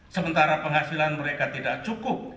sementara penghasilan mereka tidak cukup